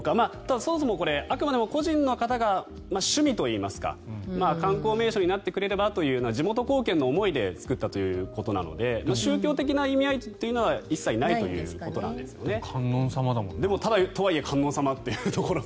そもそも、あくまでも個人の方が趣味というか観光名所になってくれればという地元貢献の思いで作ったということなので宗教的な意味合いというのは一切ないということなんですよね。とはいえ観音様ということで。